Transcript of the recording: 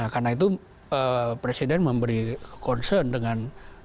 karena itu presiden memberi concern dengan